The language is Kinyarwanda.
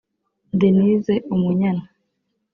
Denise Umunyana